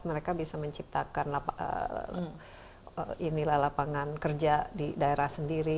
mereka bisa menciptakan lapangan kerja di daerah sendiri